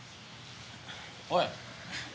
おい！